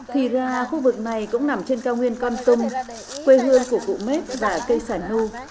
thì ra khu vực này cũng nằm trên cao nguyên con tông quê hương của cụ mếp và cây sà nu